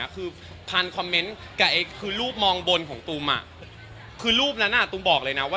คืออาทิวว์ทรีย์หลวงให้ปูตกฮหรือจริง